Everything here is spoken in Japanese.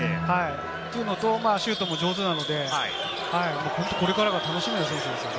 遠めのシュートも上手なので、本当にこれからが楽しみな選手です。